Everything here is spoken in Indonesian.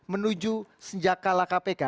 menuju senjakala kpk